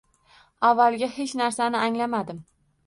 Avvaliga hech narsani anglamadim